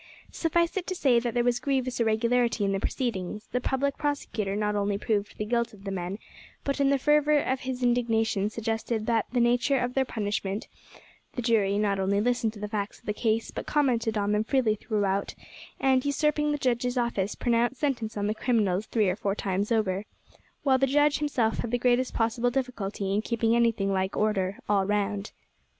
Suffice it to say that there was grievous irregularity in the proceedings: the public prosecutor not only proved the guilt of the men, but in the fervour of his indignation suggested the nature of their punishment; the jury not only listened to the facts of the case, but commented on them freely throughout, and, usurping the judge's office, pronounced sentence on the criminals three or four times over; while the judge himself had the greatest possible difficulty in keeping anything like order all round.